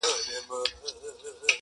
o د هغې خوله ؛ شونډي ؛ پېزوان او زنـي؛